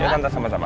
iya tante sama sama